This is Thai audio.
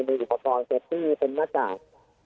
มีอุปกรณ์เซฟตี้เป็นหน้ากาก